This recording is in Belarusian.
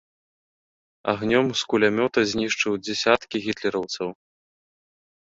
Агнём з кулямёта знішчыў дзесяткі гітлераўцаў.